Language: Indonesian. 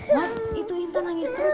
mas itu intan nangis terus